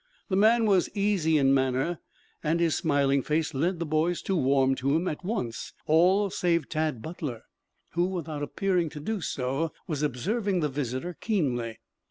The man was easy in manner, and his smiling face led the boys to warm to him at once all save Tad Butler, who, without appearing to do so, was observing the visitor keenly.